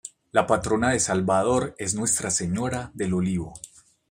La patrona de Salvador es Nuestra Señora del Olivo.